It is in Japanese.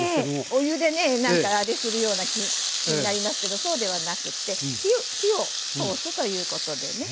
お湯でねなんかあれするような気になりますけどそうではなくて火を通すということでね。